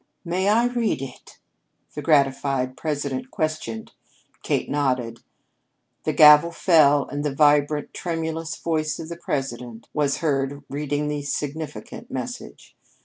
"May I read it?" the gratified president questioned. Kate nodded. The gavel fell, and the vibrant, tremulous voice of the president was heard reading the significant message.